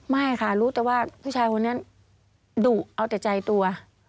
ไม่ค่ะรู้แต่ว่าผู้ชายคนนี้ดุเอาแต่ใจตัว